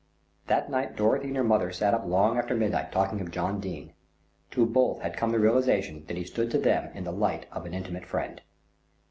That night Dorothy and her mother sat up long after midnight talking of John Dene. To both had come the realisation that he stood to them in the light of an intimate friend.